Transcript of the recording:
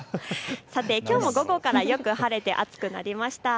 きょうも午後からよく晴れて暑くなりました。